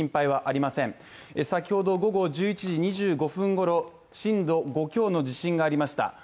先ほど、午後１１時２５分ごろ、震度５強の地震がありました。